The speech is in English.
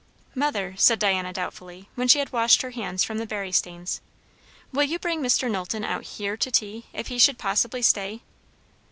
"Mother," said Diana doubtfully, when she had washed her hands from the berry stains, "will you bring Mr. Knowlton out here to tea, if he should possibly stay?"